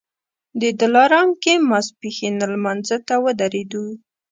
د دلارام کې ماسپښین لمانځه ته ودرېدو.